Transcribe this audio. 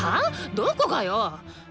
どこがよ！？